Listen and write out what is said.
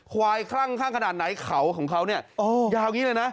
ควายคลั่งข้างขนาดไหนเขาของเขาเนี่ยยาวอย่างนี้เลยนะ